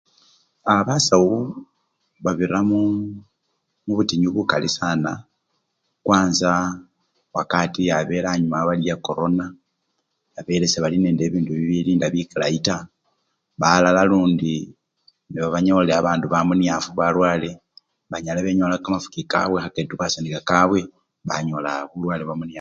A! basawu babira mu! mubutinyu bukali sana, kwanza wakati yabele anyumawo bari yakorona abele sebali nende bibindu bilinda bikalayi taa balala lundi nebanyolile bandu bamunyafu balwale banyala benyola kamafuki kabwe kheketubasya nekakabwe banyola bulwale bwamunyafu.